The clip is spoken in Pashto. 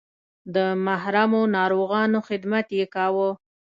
د محرومو ناروغانو خدمت یې کاوه.